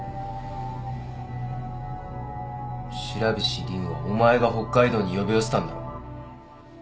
白菱凜はお前が北海道に呼び寄せたんだろ。